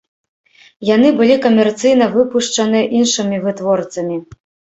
Яны былі камерцыйна выпушчаны іншымі вытворцамі.